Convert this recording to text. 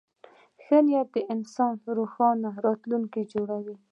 ښه نیت د انسان روښانه راتلونکی جوړوي.